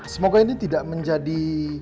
semoga ini tidak menjadi